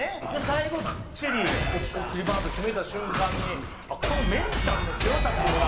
最後きっちり送りバント決めた瞬間にこのメンタルの強さというか。